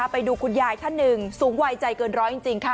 ไปดูคุณยายท่านหนึ่งสูงวัยใจเกินร้อยจริงค่ะ